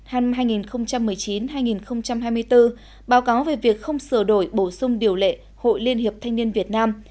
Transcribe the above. hành hai nghìn một mươi chín hai nghìn hai mươi bốn báo cáo về việc không sửa đổi bổ sung điều lệ hội liên hiệp thanh niên việt nam